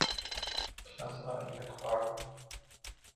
Klasse eingetragen.